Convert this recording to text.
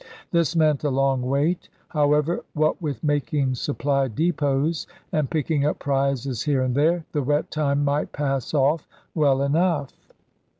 This meant a long wait; however, what with making supply depots and picking up prizes here and there, the wet time might pass off well enough.